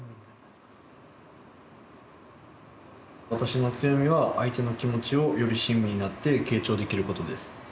「私の強みは相手の気持ちをより親身になって傾聴できることです」。